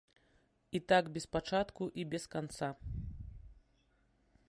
І так без пачатку і без канца.